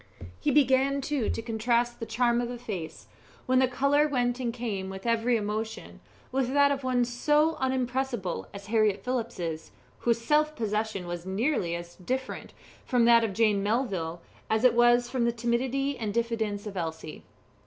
He began, too, to contrast the charm of a face, when the colour went and came with every emotion, with that of one so unimpressible as Harriett Phillips's whose self possession was nearly as different from that of Jane Melville as it was from the timidity and diffidence of Elsie.